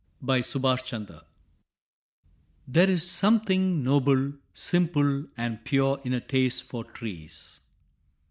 There is something noble, simple, and pure in a taste for trees.